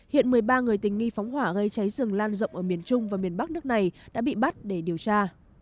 hiện một mươi ba người tình nghi phóng hỏa gây cháy rừng lan rộng ở miền trung và miền bắc nước này đã bị bắt để điều tra